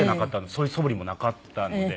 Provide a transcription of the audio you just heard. そういうそぶりもなかったので。